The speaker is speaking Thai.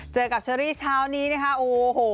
เจอกับเชอรี่เช้านี้นะคะโอ้โห